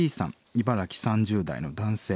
茨城３０代の男性。